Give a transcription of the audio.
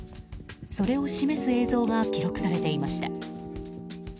それを示す映像が記録されていました。